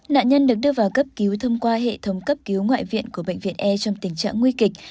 nạn nhân được đưa vào cấp cứu thông qua hệ thống cấp cứu ngoại viện của bệnh viện e trong tình trạng nguy kịch